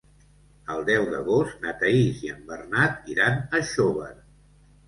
El deu d'agost na Thaís i en Bernat iran a Xóvar.